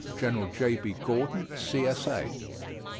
GENERAL J.B. GORDON, C.S.A.